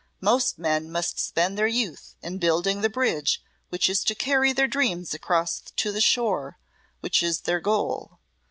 Most men must spend their youth in building the bridge which is to carry their dreams across to the shore which is their goal.